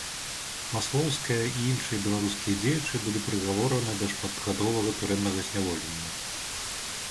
Маслоўская і іншыя беларускія дзеячы былі прыгавораны да шматгадовага турэмнага зняволення.